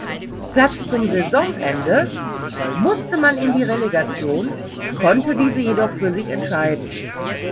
Platz zum Saisonende musste man in die Relegation, konnte diese jedoch für sich entscheiden.